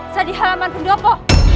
sedih halaman pendopo